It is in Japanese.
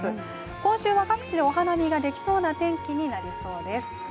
今週は各地でお花見ができそうな天気になりそうです。